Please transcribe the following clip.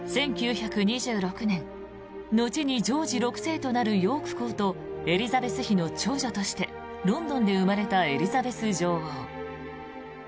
１９２６年後にジョージ６世となるヨーク公とエリザベス妃の長女としてロンドンで生まれたエリザベス女王。